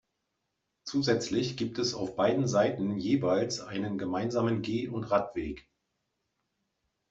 Zusätzlich gibt es auf beiden Seiten jeweils einen gemeinsamen Geh- und Radweg.